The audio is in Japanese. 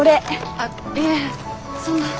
あっいえそんな。